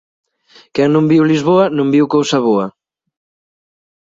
Quen non viu Lisboa non viu cousa boa